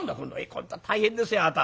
「今度は大変ですよあなた。